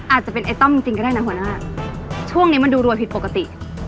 อาจจะเป็นไอ้ต้อมจริงก็ได้นะหัวหน้าช่วงนี้มันดูรวยผิดปกติ